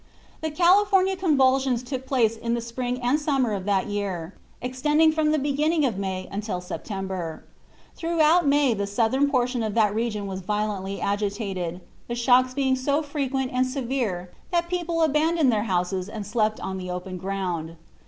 The California convulsions took place in the spring and summer of that year, extending from the beginning of May until September. Throughout May the southern portion of that region was violently agitated, the shocks being so frequent and severe that people abandoned their houses and slept on the open ground.